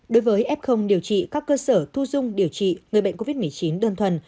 đối với f điều trị các cơ sở thu dung điều trị người bệnh covid một mươi chín đơn thuần